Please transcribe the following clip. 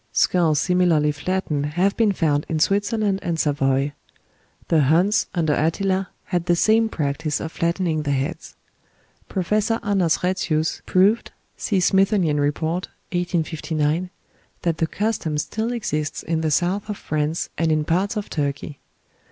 Skulls similarly flattened have been found in Switzerland and Savoy. The Huns under Attila had the same practice of flattening the heads. Professor Anders Retzius proved (see "Smithsonian Report," 1859) that the custom still exists in the south of France, and in parts of Turkey.